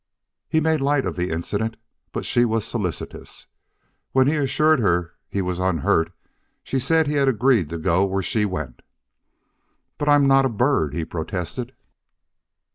He made light of the incident, but she was solicitous. When he assured her he was unhurt she said he had agreed to go where she went. "But I'm not a a bird," he protested.